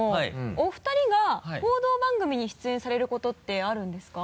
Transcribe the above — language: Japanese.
お二人が報道番組に出演されることってあるんですか？